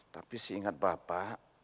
tapi seingat bapak